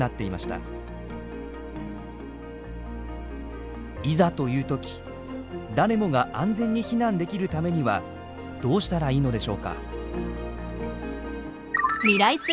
いざというとき誰もが安全に避難できるためにはどうしたらいいのでしょうか？